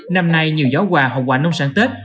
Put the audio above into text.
năm nay nhiều gió quà hoặc quà nông sản tết